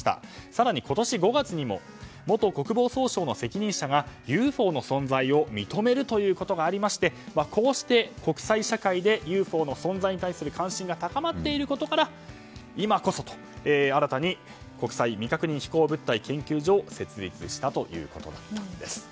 更に今年５月にも元国防総省の責任者がＵＦＯの存在を認めるということがありまして国際社会でＵＦＯの存在に対する関心が高まっていることから今こそと、新たに国際未確認飛行物体研究所を設立したということだったんです。